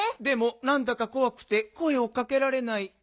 「でもなんだかこわくてこえをかけられない」。